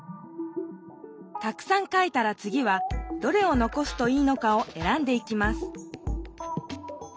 たくさん書いたらつぎはどれをのこすといいのかを選んでいきます